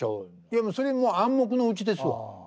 いやもうそれ暗黙のうちですわ。